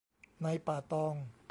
ในป่าตอง